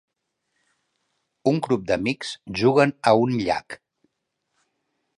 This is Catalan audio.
Un grup d'amics juguen a un llac.